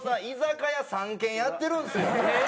居酒屋３軒やってるんですよ。